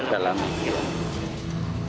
pemungkapan kasus pembunuhan